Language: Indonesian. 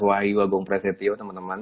wahyu agung presetio teman teman